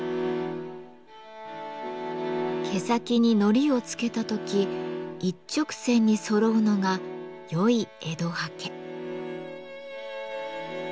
毛先に糊をつけた時一直線にそろうのがよい江戸刷毛。